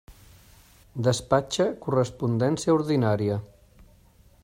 Despatxa correspondència ordinària.